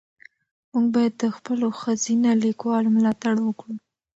موږ باید د خپلو ښځینه لیکوالو ملاتړ وکړو.